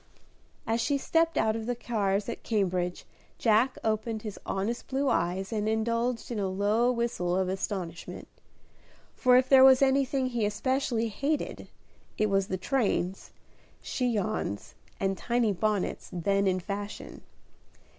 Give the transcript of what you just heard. As she stepped out of the cars at Cambridge, Jack opened his honest blue eyes and indulged in a low whistle of astonishment: for if there was anything he especially hated, it was the trains, chignons and tiny bonnets then in fashion.